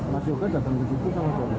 mas yoga datang ke situ sama suami